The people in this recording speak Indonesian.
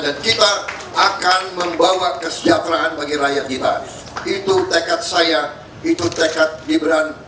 dan kita akan membawa kesejahteraan bagi rakyat kita itu tekad saya itu tekad diberan